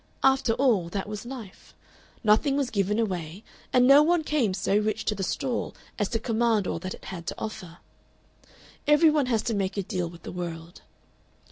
After all, that was life. Nothing was given away, and no one came so rich to the stall as to command all that it had to offer. Every one has to make a deal with the world.